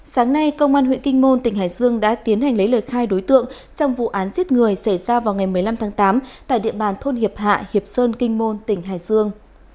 sáng nay công an huyện kinh môn tỉnh hải dương đã tiến hành lấy lời khai đối tượng trong vụ án giết người xảy ra vào ngày một mươi năm tháng tám tại địa bàn thôn hiệp hạ hiệp sơn kinh môn tỉnh hải dương